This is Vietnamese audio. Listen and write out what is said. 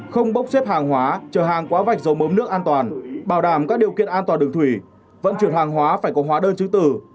không bốc xếp hàng hóa trở hàng quá vạch dầu mống nước an toàn bảo đảm các điều kiện an toàn đường thủy vận chuyển hàng hóa phải có hóa đơn chứng tử